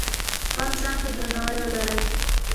خپل ځان ته درناوی ولرئ.